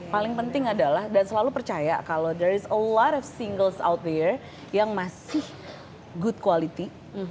paling penting adalah dan selalu percaya kalau there is a lot of singles out there yang masih good quality